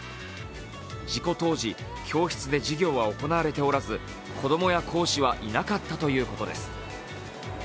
事故当時、教室で授業は行われておらず子供や講師はいなかったということです。